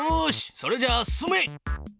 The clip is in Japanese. それじゃあ進め！